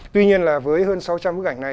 tuy nhiên là với hơn sáu trăm linh bức ảnh này